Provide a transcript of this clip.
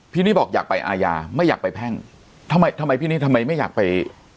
พี่นี้บอกอยากไปอาญาไม่อยากไปแพ่งทำไมไม่อยากไป